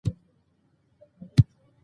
مور د ماشومانو د خوارځواکۍ مخه نیسي.